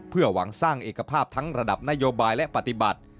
เพื่อหวังสร้างเอกภาพทั้งระดับนโยบายและปฏิบัติ